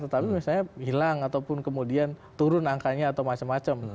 tetapi misalnya hilang ataupun kemudian turun angkanya atau macam macam